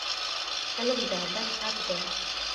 فلم د ادب غږ دی